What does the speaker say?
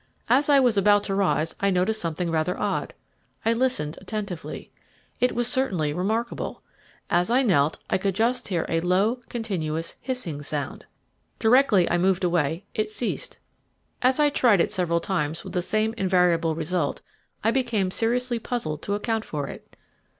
As I was about to rise I noticed something rather odd. I listened attentively. It was certainly remarkable. As I knelt I could just hear a low, continuous hissing sound. Directly I moved away it ceased. As I tried it several times with the same invariable result, I became seriously puzzled to account for it.